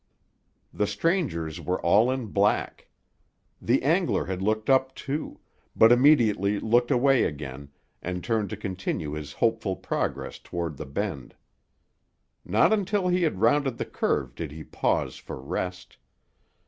The strangers were all in black. The angler had looked up, too; but immediately looked away again, and turned to continue his hopeful progress toward the bend. Not until he had rounded the curve did he pause for rest.